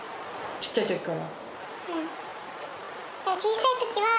ちっちゃいときから？